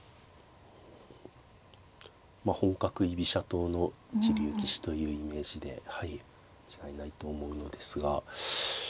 本格居飛車党の一流棋士というイメージで間違いないと思うのですが。